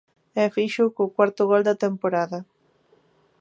E fíxoo co cuarto gol da temporada.